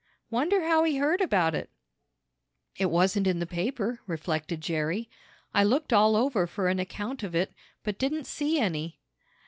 "Wonder how he heard about it?" "It wasn't in the paper," reflected Jerry. "I looked all over for an account of it, but didn't see any."